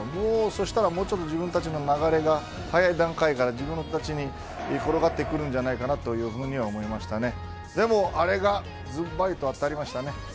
そしたらもうちょっと自分たちの流れが早い段階から自分の方に転がってくるんじゃないかなというふうに思いましたね。